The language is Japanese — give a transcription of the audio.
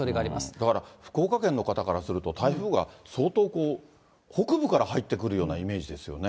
だから福岡県の方からすると、台風が相当北部から入ってくるようなイメージですよね。